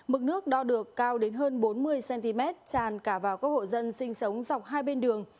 mực nước đo được cao đến hơn bốn mươi cm tràn cả vào các hộ dân sinh sống dọc hai bên đường